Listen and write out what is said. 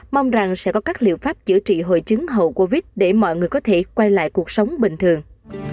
hãy bấm đăng ký kênh để mọi người có thể quay lại cuộc sống bình thường